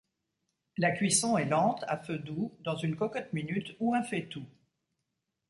La cuisson est lente, à feu doux, dans une cocotte minute ou un fait-tout.